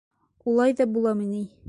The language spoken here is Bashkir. Улай ҙа буламы ни?